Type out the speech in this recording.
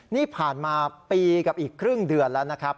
นี่ผ่านมาปีกับอีกครึ่งเดือนแล้วนะครับ